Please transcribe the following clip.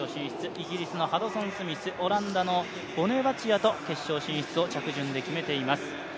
イギリスのハドソンスミス、オランダのボネバチアと決勝進出を着順で決めています。